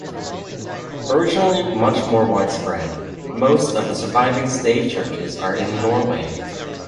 Originally much more widespread, most of the surviving stave churches are in Norway.